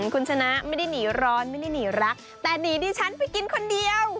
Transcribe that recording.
คุณชนะไม่ได้หนีร้อนไม่ได้หนีรักแต่หนีดิฉันไปกินคนเดียว